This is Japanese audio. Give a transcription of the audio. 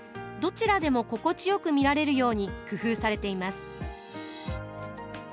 どちらでも心地よく見られるように工夫されています。